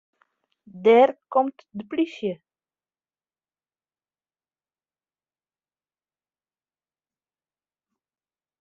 Dêr komt de polysje.